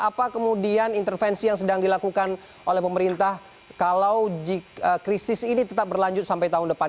apa kemudian intervensi yang sedang dilakukan oleh pemerintah kalau krisis ini tetap berlanjut sampai tahun depan